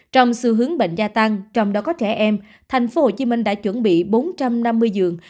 trong xu hướng bệnh gia tăng trong đó có trẻ em tp hcm đã chuẩn bị bốn trăm năm mươi giường